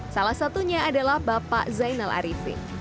salah satunya adalah bapak zainal arifin